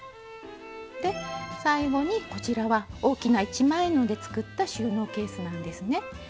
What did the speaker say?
最後にこちらは大きな一枚布で作った収納ケースなんですね。